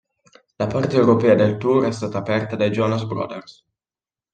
La parte europea del tour è stata aperta dai Jonas Brothers.